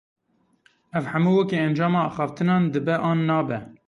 Ev hemû wekî encama axaftinan dibe an nabe?